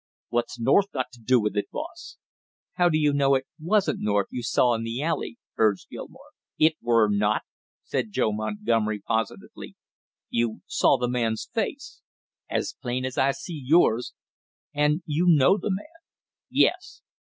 "What's North got to do with it, boss?" "How do you know it wasn't North you saw in the alley?" urged Gilmore. "It were not!" said Joe Montgomery positively. "You saw the man's face?" "As plain as I see yours!" "And you know the man?" "Yes."